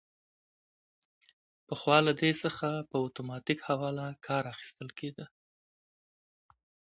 پخوا له دې څخه په اتوماتیک حواله کار اخیستل کیده.